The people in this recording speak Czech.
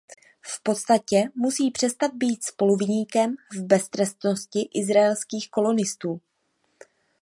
V podstatě musí přestat být spoluviníkem v beztrestnosti izraelských kolonistů.